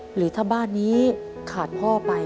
หรือถ้าบ้านนี้ขาดพ่อไป